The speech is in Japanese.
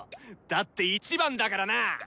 だって１番だからな！